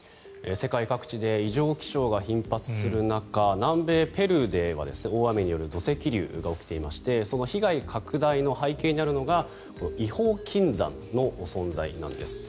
世界各地で異常気象が頻発する中南米ペルーでは、大雨による土石流が起きていましてその被害拡大の背景にあるのが違法金山の存在なんです。